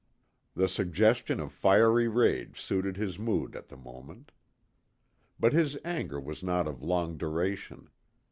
The suggestion of fiery rage suited his mood at the moment. But his anger was not of long duration.